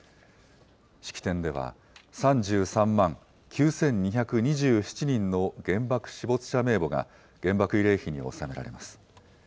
式典では３３万９２２７人の原爆死没者名簿が原爆慰霊碑に納められます。